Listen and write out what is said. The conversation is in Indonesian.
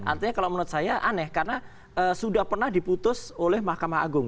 artinya kalau menurut saya aneh karena sudah pernah diputus oleh mahkamah agung